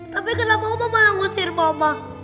tapi kenapa oma malah ngusir mama